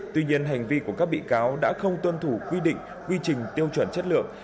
tuy nhiên hành vi của các bị cáo đã không tuân thủ quy định quy trình tiêu chuẩn chất lượng